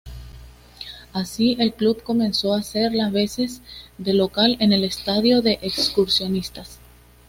Así el club comenzó hacer las veces de local en el estadio de Excursionistas.